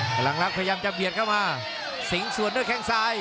พลังลักษณ์พยายามจะเบียดเข้ามาสิงห์ส่วนด้วยแข้งซ้าย